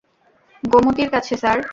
গোমতীর কাছে, স্যার।